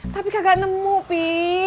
tapi kagak nemu pi